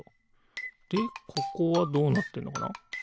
でここはどうなってるのかな？